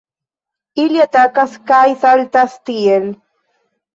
Ili atakas kaj saltas tiel!